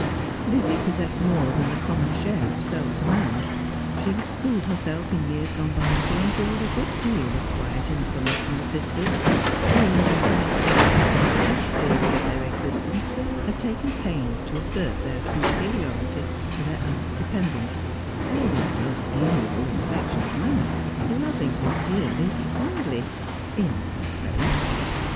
Lizzie pos sessed more than the common share of self command. She had schooled herself in years gone by to endure a good deal of quiet insolence from the sisters, who in the white frock and blue sash period of their existence had taken pains to assert their supe riority to their aunt's dependent, all in the most amiable and affectionate manner, loving their dear Lizzie fondly — in hei 'place.'